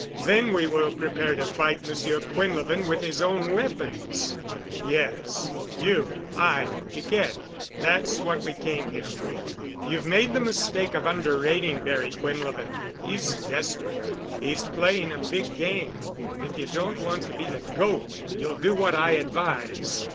Then we will prepare to fight Monsieur Quinlevin with his own weapons." "Yes. You—I—Piquette. That's what we came here for. You've made the mistake of under rating Barry Quinlevin. He's desperate. He is playing a big game and if you don't want to be the goat you'll do what I advise."